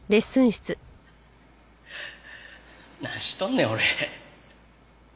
何しとんねん俺。